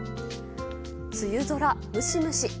梅雨空ムシムシ。